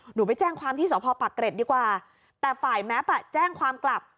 ไปแจ้งความที่สพปากเกร็ดดีกว่าแต่ฝ่ายแม็ปอ่ะแจ้งความกลับ